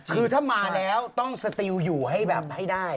คือถ้ามาแล้วต้องสติลอยู่ให้แบบให้ได้